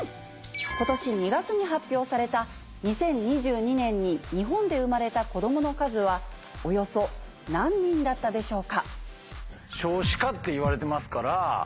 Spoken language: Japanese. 今年２月に発表された２０２２年に日本で生まれた子どもの数はおよそ何人だったでしょうか？